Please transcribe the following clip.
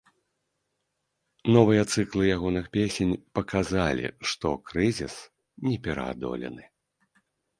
Новыя цыклы ягоных песень паказалі, што крызіс не пераадолены.